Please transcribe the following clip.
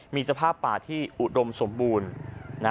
มีสภาพป่าที่อุดมสมบูรณ์